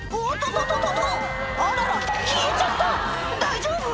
とっとっとあらら消えちゃった大丈夫？